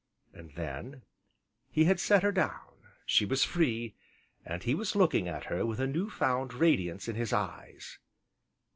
And then, he had set her down, she was free, and he was looking at her with a new found radiance in his eyes.